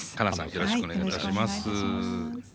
よろしくお願いします。